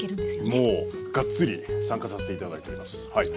もうがっつり参加させて頂いておりますはい。